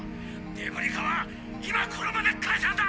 デブリ課は今この場で解散だ！」。